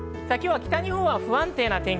北日本は不安定な天気。